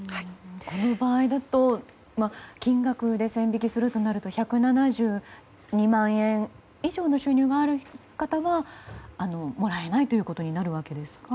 この場合だと金額で線引きするとなると１７２万円以上の収入がある方はもらえないということになるわけですか？